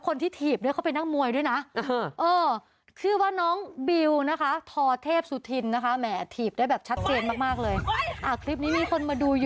กลัวสิคุณดูดิดู